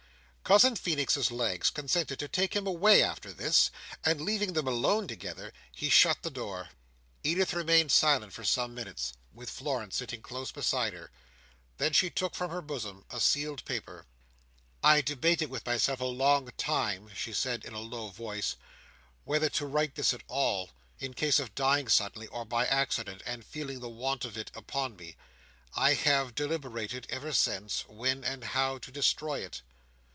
Cousin Feenix's legs consented to take him away after this; and leaving them alone together, he shut the door. Edith remained silent for some minutes, with Florence sitting close beside her. Then she took from her bosom a sealed paper. "I debated with myself a long time," she said in a low voice, "whether to write this at all, in case of dying suddenly or by accident, and feeling the want of it upon me. I have deliberated, ever since, when and how to destroy it.